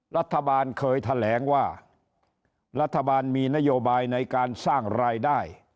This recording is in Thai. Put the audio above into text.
รัฐบาลเคยแถลงว่ารัฐบาลมีนโยบายในการสร้างรายได้